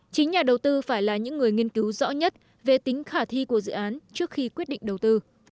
chính nhà đầu tư phải là những người nghiên cứu rõ nhất về tính khả thi của dự án trước khi quyết định đầu tư